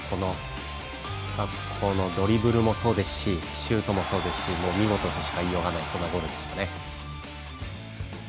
このドリブルもそうですしシュートもそうですし見事としか言いようがないそんなゴールでしたね。